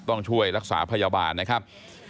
ต้องช่วยรักษาพยาบาลนะครับ